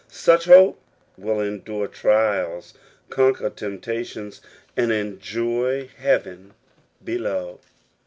Such hope will endure trials, temptations, and enjoy heaven below.